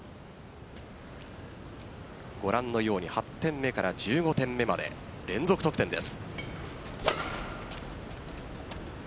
ご覧のように８点目から１５点目まで連続得点です。